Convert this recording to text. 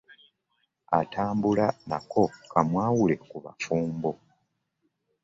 Atambula nako kamwawule ku bafumbo .